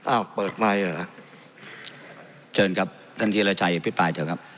อ้าวเปิดไมค์เหรอเชิญครับท่านธีรชัยอภิปรายเถอะครับ